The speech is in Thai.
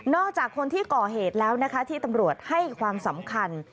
จากคนที่ก่อเหตุแล้วนะคะที่ตำรวจให้ความสำคัญ